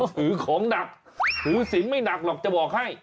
ถือของหนักถือสินไม่หนักหรอกจะบอกให้